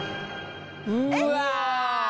うわ！